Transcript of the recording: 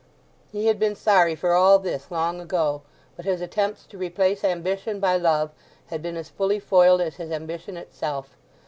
He had been sorry for all this long ago; but his attempts to replace ambition by love had been as fully foiled as his ambition itself.